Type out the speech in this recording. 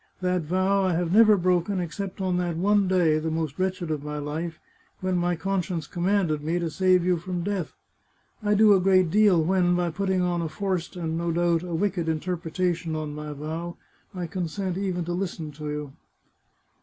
That vow I have never broken except on that one day — the most wretched of my life — when my con science commanded me to save you from death. I do a great deal when, by putting a forced and, no doubt, a wicked in terpretation on my vow, I consent even to listen to you."